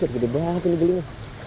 gede banget ini belinya